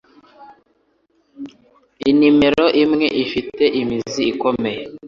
inimero imwe ifite imizi ikomeye